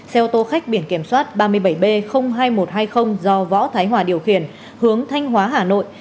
xe ô tô khách biển kiểm soát ba mươi bảy b hai nghìn một trăm hai mươi do võ thái hòa điều khiển hướng thanh hóa hà nội